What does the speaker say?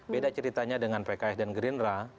beda ceritanya dengan pks dan gerindra